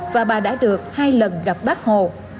và bà đã được hai lần gặp bác hồ